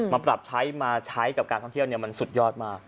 มาปรับใช้มาใช้กับการท่องเที่ยวมันสุดยอดมาก